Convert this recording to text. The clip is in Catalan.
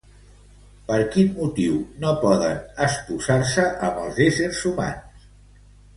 Per quin motiu no poden esposar-se amb els éssers humans?